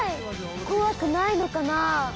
こわくないのかな？